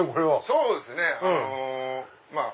そうですね。